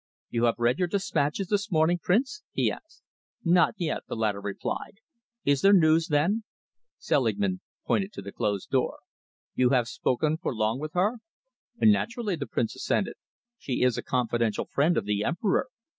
"You have read your dispatches this morning, Prince?" he asked. "Not yet," the latter replied. "Is there news, then?" Selingman pointed to the closed door. "You have spoken for long with her?" "Naturally," the Prince assented. "She is a confidential friend of the Emperor.